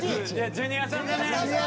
ジュニアさんだね。